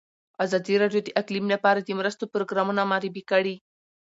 ازادي راډیو د اقلیم لپاره د مرستو پروګرامونه معرفي کړي.